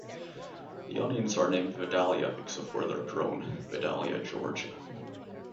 The onions are named Vidalia because of where they are grown: Vidalia, Georgia.